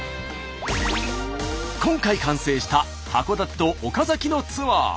今回完成した函館と岡崎のツアー。